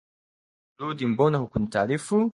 rudi Mbona hukunitaarifu